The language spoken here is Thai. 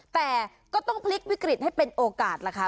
แต่ก็ต้องพลิกวิกฤตให้เป็นโอกาสล่ะค่ะ